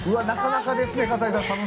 なかなかですね